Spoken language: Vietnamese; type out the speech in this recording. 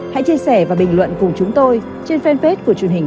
hãy chia sẻ và bình luận cùng chúng tôi trên fanpage của truyền hình công ty